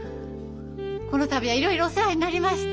この度はいろいろお世話になりまして。